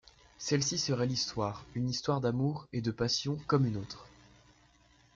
Celle-ci serait l'histoire, une histoire d'amour et de passion comme une autre.